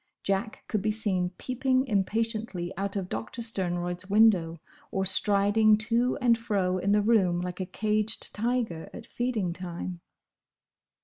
Jack could be seen peeping impatiently out of Doctor Sternroyd's window, or striding to and fro in the room like a caged tiger at feeding time.